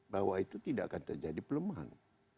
bahwa itu tidak akan terjadi pelemahan